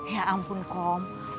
ya ampun kom